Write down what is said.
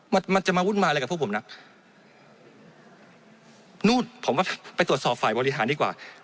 มันมันจะมาวุ่นมาอะไรกับพวกผมน่ะนู่นผมก็ไปตรวจสอบฝ่ายบริหารดีกว่า